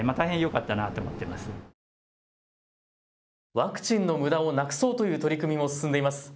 ワクチンのむだをなくそうという取り組みも進んでいます。